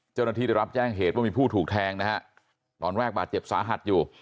เจ้าหน้าที่ได้รับแจ้งเหตุว่ามีผู้ถูกแทงนะฮะตอนแรกบาดเจ็บสาหัสอยู่